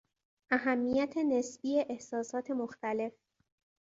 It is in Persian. اهمیت نسبی احساسات مختلف